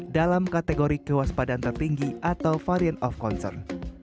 dalam kategori kewaspadaan tertinggi atau variant of concern